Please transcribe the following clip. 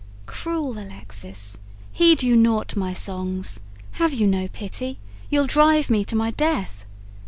"Cruel Alexis, heed you naught my songs? Have you no pity? you'll drive me to my death.